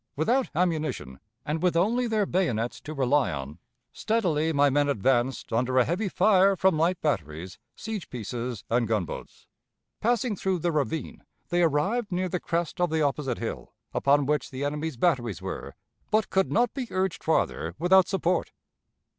Without ammunition, and with only their bayonets to rely on, steadily my men advanced under a heavy fire from light batteries, siege pieces, and gunboats. Passing through the ravine, they arrived near the crest of the opposite hill, upon which the enemy's batteries were, but could not be urged farther without support.